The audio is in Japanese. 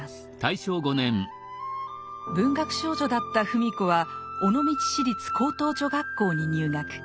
文学少女だった芙美子は尾道市立高等女学校に入学。